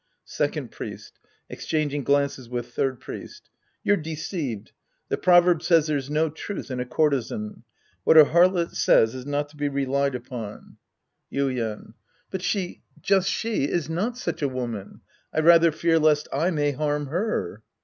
Second Priest {exchanging glances with Third Priest). You're deceived ! The proverb says there's no truth in a courtesan. What a harlot says is not to be relied upon. 162 The Priest and His Disciples Act V Yuien. But she, just she, is not such a woman. I rather fear lest I may harm her.